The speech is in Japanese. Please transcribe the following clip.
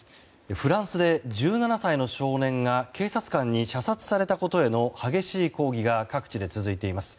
フランスで１７歳の少年が警察官に射殺されたことへの激しい抗議が各地で続いています。